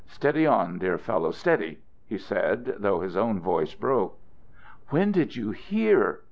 "Steady on, dear fellow, steady," he said, though his own voice broke. "When did you hear?"